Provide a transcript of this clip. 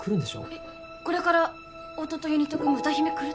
えっこれから音とユニット組む歌姫来ると？